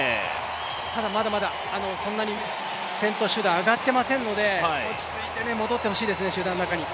ただ、まだまだそんなに先頭集団、上がっていませんので落ち着いて戻ってほしいですね、集団の中に。